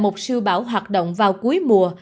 một siêu bão hoạt động vào cuối mùa